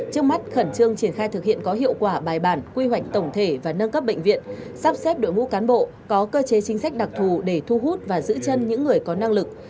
trước mắt khẩn trương triển khai thực hiện có hiệu quả bài bản quy hoạch tổng thể và nâng cấp bệnh viện sắp xếp đội ngũ cán bộ có cơ chế chính sách đặc thù để thu hút và giữ chân những người có năng lực